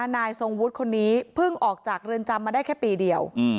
นายทรงวุฒิคนนี้เพิ่งออกจากเรือนจำมาได้แค่ปีเดียว